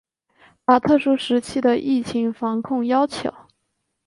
把特殊时期的防控疫情要求